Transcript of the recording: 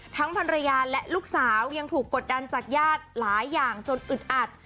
ภรรยาและลูกสาวยังถูกกดดันจากญาติหลายอย่างจนอึดอัด